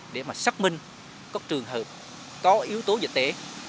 để mà xác minh các trường hợp có yếu tố dịch tễ